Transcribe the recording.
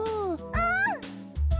うん！